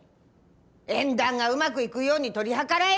縁談がうまくいくように取り計らえって。